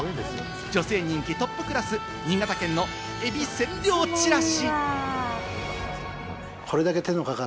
女性人気トップクラス、新潟県のえび千両ちらし。